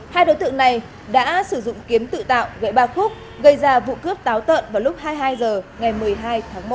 hai đối tượng này đã sử dụng kiếm tự tạo gậy ba khúc gây ra vụ cướp táo tợn vào lúc hai mươi hai h ngày một mươi hai tháng một